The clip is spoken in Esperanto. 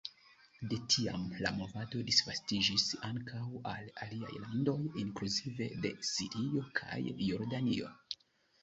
De tiam la movado disvastiĝis ankaŭ al aliaj landoj, inkluzive de Sirio kaj Jordanio.